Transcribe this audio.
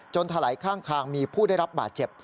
ถลายข้างทางมีผู้ได้รับบาดเจ็บ